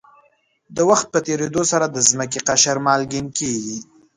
د وخت په تېرېدو سره د ځمکې قشر مالګین کېږي.